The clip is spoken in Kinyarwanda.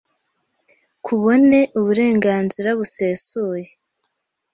kubone uburengenzire busesuye,